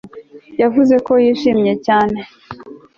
yavuze ko yishimye cyane